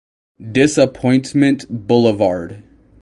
Disappointment Blvd.